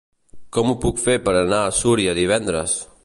Com ho puc fer per anar a Súria divendres?